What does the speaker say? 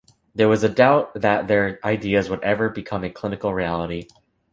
There was doubt that their ideas would ever become a clinical reality.